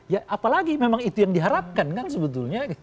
ya apalagi memang itu yang diharapkan kan sebetulnya